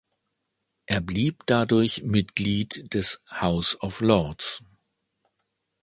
Er blieb dadurch Mitglied des House of Lords.